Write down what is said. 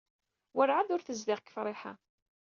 Werɛad ur tezdiɣ deg Friḥa.